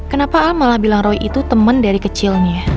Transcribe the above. kenapa al malah bilang roy itu teman dari kecilnya